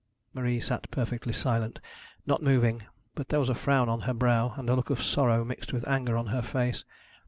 Marie sat perfectly silent, not moving; but there was a frown on her brow and a look of sorrow mixed with anger on her face.